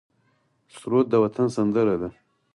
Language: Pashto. سرود د وطن سندره ده